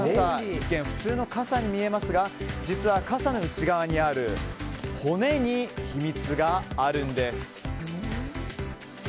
一見、普通の傘に見えますが実は、傘の内側にある骨に秘密があるんです。